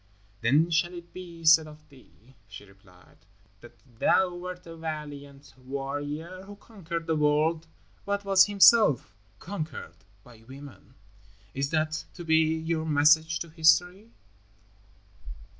"Then shall it be said of thee," she replied, "that thou wert a valiant warrior who conquered the world, but was himself conquered by women. Is that to be your message to history?"